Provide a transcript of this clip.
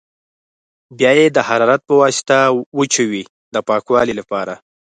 بیا یې د حرارت په واسطه وچوي د پاکوالي لپاره.